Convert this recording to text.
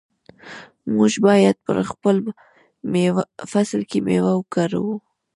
موږ باید په هر فصل کې میوه وکرو.